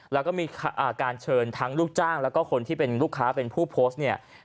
แล้วก็มีการเชิญทั้งลูกจ้างแล้วก็คนที่เป็นลูกค้าเป็นผู้โพสต์เนี่ย